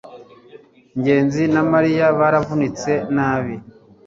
ngenzi na mariya baravunitse nabi